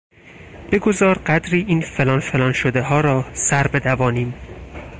بگذار قدری این فلان فلان شدهها را سر بدوانیم.